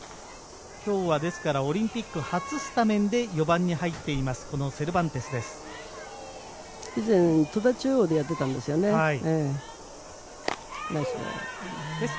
今日はオリンピック初スタメンで４番に入っています、セルバンテスです。